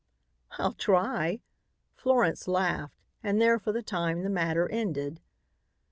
"I'll try," Florence laughed, and there for the time the matter ended.